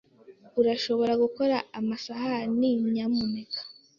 Urashobora gukora amasahani, nyamuneka?